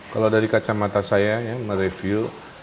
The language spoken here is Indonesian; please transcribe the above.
kalau dari kacamata saya ya mereview